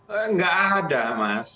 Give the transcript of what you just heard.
enggak ada mas